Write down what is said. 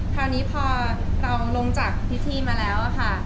คราวนี้พอเราลงจากพิธีมาแล้วค่ะ